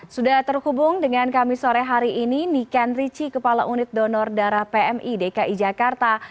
sudah terhubung dengan kami sore hari ini niken rici kepala unit donor darah pmi dki jakarta